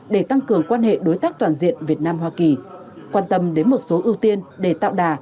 để tăng cường quan hệ đối tác toàn diện việt nam hoa kỳ quan tâm đến một số ưu tiên để tạo đà